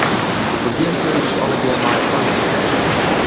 Dat begjint dus allegear mei it foarlêzen.